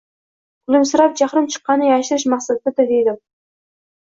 Kulimsirab jahlim chiqganini yashirish maqsadida dedim.